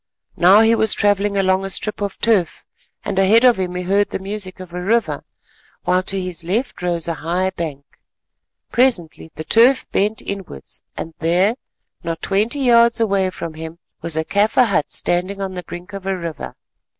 Now he was travelling along a strip of turf and ahead of him he heard the music of a river, while to his left rose a high bank. Presently the turf bent inwards and there, not twenty yards away from him, was a Kaffir hut standing on the brink of a river.